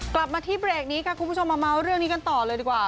กลับมาที่เบรกนี้ค่ะคุณผู้ชมมาเมาส์เรื่องนี้กันต่อเลยดีกว่า